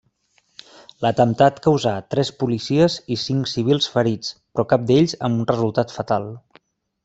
L'atemptat causà tres policies i cinc civils ferits però cap d'ells amb resultat fatal.